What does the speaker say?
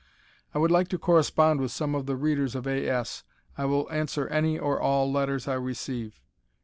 I would like to correspond with some of the Readers of A. S. I will answer any or all letters I receive.